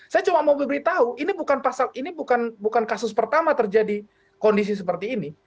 saya cuma mau memberitahu ini bukan pasal ini bukan kasus pertama terjadi kondisi seperti ini